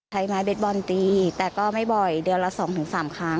ใช้ไม้เบสบอลตีแต่ก็ไม่บ่อยเดือนละ๒๓ครั้ง